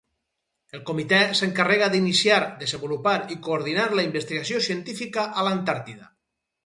El Comitè s'encarrega d'iniciar, desenvolupar i coordinar la investigació científica a l'Antàrtida.